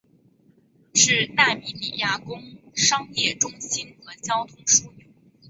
是纳米比亚工商业中心和交通枢纽。